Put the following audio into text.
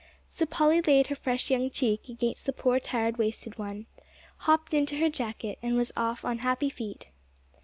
So Polly laid her fresh young cheek against the poor, tired, wasted one; hopped into her jacket, and was off on happy feet.